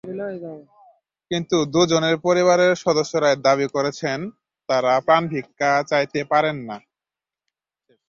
কিন্তু দুজনের পরিবারের সদস্যরাই দাবি করেছেন, তাঁরা প্রাণভিক্ষা চাইতে পারেন না।